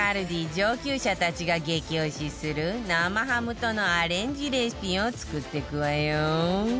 上級者たちが激推しする生ハムとのアレンジレシピを作っていくわよ